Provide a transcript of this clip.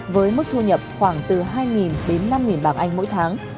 với mức thu nhập khoảng từ hai đến năm bảng anh mỗi tháng